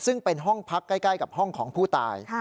ซึ่งเป็นห้องพักใกล้กับห้องของผู้ตาย